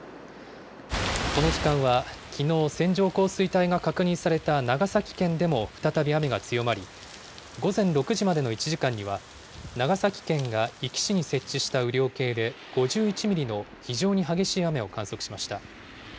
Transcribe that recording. この時間はきのう、線状降水帯が確認された長崎県でも再び雨が強まり、午前６時までの１時間には、長崎県が壱岐市に設置した雨量計で５１ミリの非常に激しい雨を観測しました。